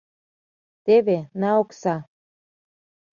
Теве, на окса.